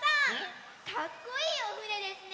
かっこいいおふねですね！